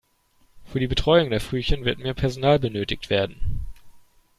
Für die Betreuung der Frühchen wird mehr Personal benötigt werden.